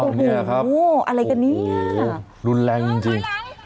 อ้าวเนี่ยครับโหโห้อะไรกันเนี่ยโหโห้รุนแรงจริง